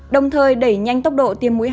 đồng thời đẩy nhanh tốc độ